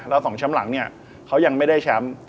แล้ว๒แชมป์หลังเนี่ยเขายังไม่ได้แชมป์